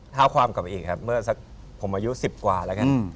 เท้าความกลับไปอีกครับเมื่อสักผมอายุ๑๐กว่าแล้วกัน